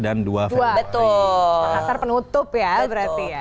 makassar penutup ya berarti ya